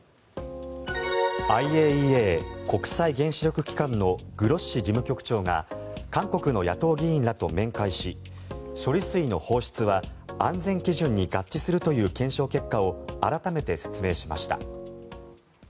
ＩＡＥＡ・国際原子力機関のグロッシ事務局長が韓国の野党議員らと面会し処理水の放出は安全基準に合致するという検証結果を改めて説明しました。